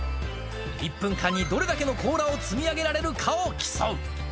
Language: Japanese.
１分間にどれだけの甲羅を積み上げられるかを競う。